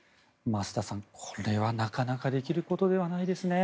増田さんこれはなかなかできることではないですね。